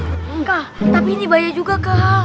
kak tapi ini banyak juga kak